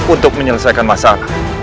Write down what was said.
untuk menyelesaikan masalahmu